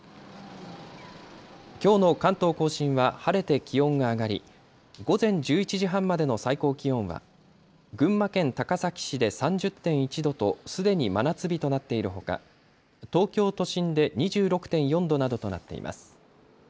きょうの関東甲信は晴れて気温が上がり、午前１１時半までの最高気温は群馬県高崎市で３０．１度とすでに真夏日となっているほか東京都心で２６．４度などとなっています。